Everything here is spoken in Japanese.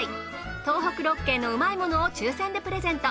東北６県のうまいものを抽選でプレゼント。